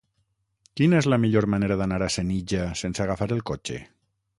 Quina és la millor manera d'anar a Senija sense agafar el cotxe?